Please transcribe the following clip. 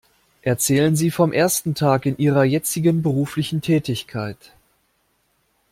Erzählen Sie vom ersten Tag in ihrer jetzigen beruflichen Tätigkeit.